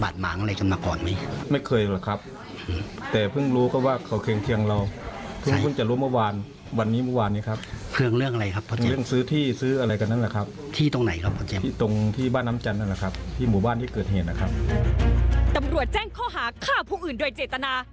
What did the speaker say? ตำรวจแจ้งข้อหาฆ่าผู้อื่นโดยเจตนา